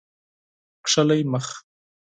کښلی مخ